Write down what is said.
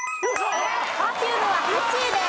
Ｐｅｒｆｕｍｅは８位です。